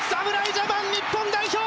ジャパン日本代表